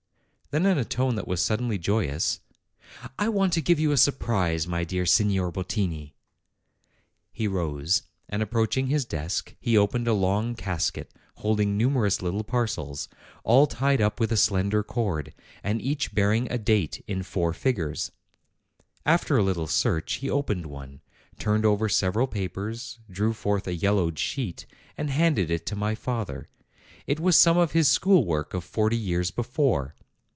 Then in a tone that was suddenly joyous, "I want to give you a surprise, my dear Signor Bottini." He rose, and approaching his desk, he opened a long casket holding numerous little parcels, all tied up with a slender cord, and each bearing a date in four figures. After a little search, he opened one, turned over several papers, drew forth a yellowed sheet, and handed it to my father. It was some of his school work of forty years before.